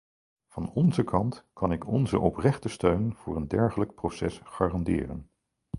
Van onze kant kan ik onze oprechte steun voor een dergelijk proces garanderen.